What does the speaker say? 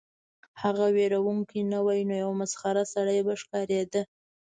که هغه ویرونکی نه وای نو یو مسخره سړی به ښکاریده